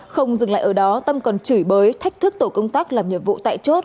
không dừng lại ở đó tâm còn chửi bới thách thức tổ công tác làm nhiệm vụ tại chốt